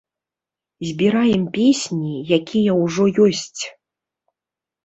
Збіраем песні, якія ўжо ёсць.